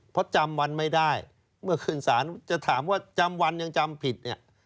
เพราะจำวันไม่ได้เมื่อขึ้นศาลจะถามว่าจำวันยังจำผิดเนี่ย